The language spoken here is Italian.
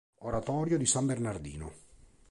Oratorio di San Bernardino